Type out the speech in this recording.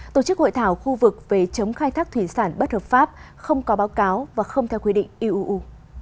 tổ chức hội thảo khu vực về chống khai thác thủy sản bất hợp pháp không có báo cáo và không theo quy định uuu